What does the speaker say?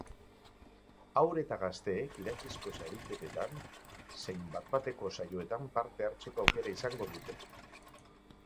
Haur eta gazteek idatzizko sariketatan zein bat-bateko saioetan parte hartzeko aukera izango dute.